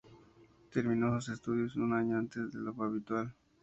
Termino sus estudios un año antes de lo habitual.